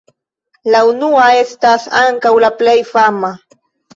La unua estas ankaŭ la plej fama.